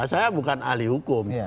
saya bukan ahli hukum